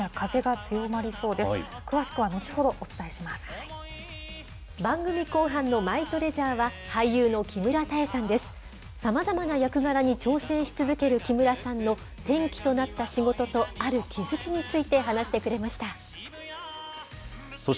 さまざまな役柄に挑戦し続ける木村さんの転機となった仕事と、ある気付きについて話してくれました。